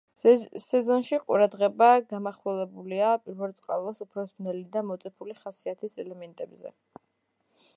სეზონში ყურადღება გამახვილებულია პირველწყაროს უფრო ბნელი და მოწიფული ხასიათის ელემენტებზე.